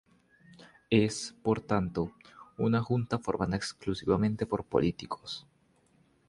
Es, por tanto, una junta formada exclusivamente por políticos.